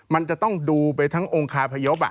มันจะต้องดูไปทั้งองค์คาพยพ